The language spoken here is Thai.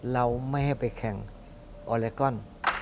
เราไม่ให้ไปแข่งออเลกอน